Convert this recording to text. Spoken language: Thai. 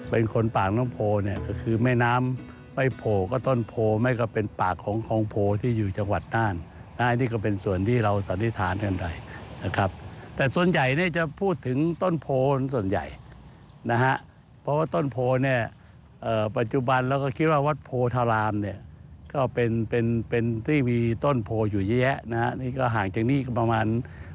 เป็นคนปากน้ำโพเนี่ยก็คือแม่น้ำไม่โผล่ก็ต้นโพไม่ก็เป็นปากของคลองโพที่อยู่จังหวัดน่านนะฮะนี่ก็เป็นส่วนที่เราสันนิษฐานกันไปนะครับแต่ส่วนใหญ่เนี่ยจะพูดถึงต้นโพส่วนใหญ่นะฮะเพราะว่าต้นโพเนี่ยปัจจุบันเราก็คิดว่าวัดโพธารามเนี่ยก็เป็นเป็นที่มีต้นโพอยู่แยะนะฮะนี่ก็ห่างจากนี่ก็ประมาณ